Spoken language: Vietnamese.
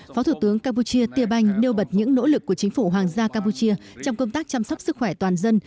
phó thủ tướng campuchia tia banh nêu bật những nỗ lực của chính phủ hoàng gia campuchia trong công tác chăm sóc sức khỏe toàn dân